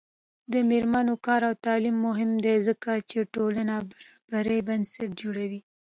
د میرمنو کار او تعلیم مهم دی ځکه چې ټولنې برابرۍ بنسټ جوړوي.